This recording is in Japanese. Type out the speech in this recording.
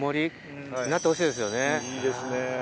いいですね。